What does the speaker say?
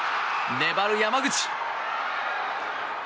粘る山口。